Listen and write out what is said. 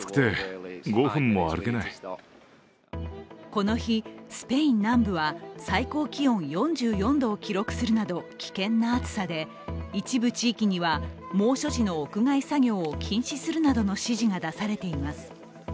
この日、スペイン南部は最高気温４４度を記録するなど危険な暑さ、一部地域には猛暑時の屋外作業を禁止するなどの指示が出されています。